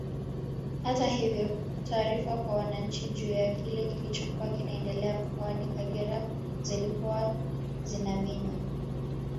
Hata hivyo taarifa kwa wananchi juu ya kile kilichokuwa kinaendelea mkoani Kagera zilikuwa zinaminywa